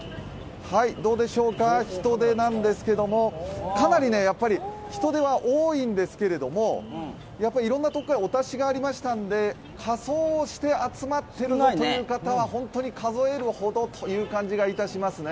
人出なんですけど、かなり人出は多いんですけれどもいろんなところからお達しがありましたので仮装をして集まっている方は本当に数えるほどという感じがいたしますね。